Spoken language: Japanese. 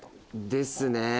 ですね。